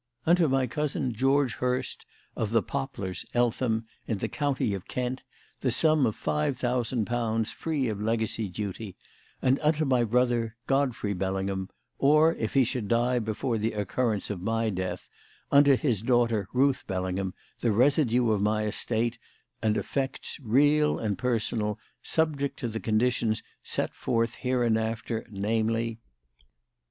"Unto my cousin George Hurst of The Poplars Eltham in the county of Kent the sum of five thousand pounds free of legacy duty and unto my brother Godfrey Bellingham or if he should die before the occurrence of my death unto his daughter Ruth Bellingham the residue of my estate and effects real and personal subject to the conditions set forth hereinafter namely: "2.